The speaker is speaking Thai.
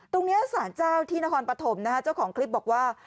ตรงนี้สารเจ้าที่นครปฐมนะฮะเจ้าของคลิปบอกว่า